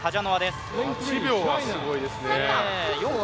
８秒はすごいですね。